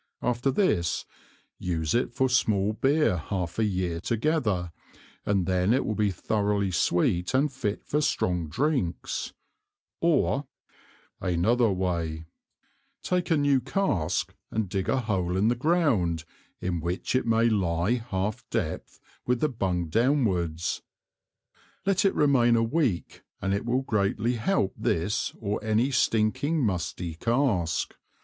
After this, use it for small Beer half a Year together, and then it will be thoroughly sweet and fit for strong Drinks; or Another Way. Take a new Cask and dig a Hole in the Ground, in which it may lye half depth with the Bung downwards; let it remain a Week, and it will greatly help this or any stinking musty Cask.